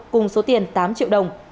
cùng số tiền tám triệu đồng